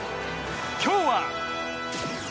今日は？